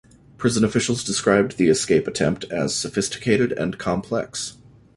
Prison officials described the escape attempt as sophisticated and complex.